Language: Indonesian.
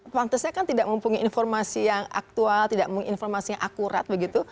pantesnya kan tidak mempunyai informasi yang aktual tidak mempunyai informasi yang akurat begitu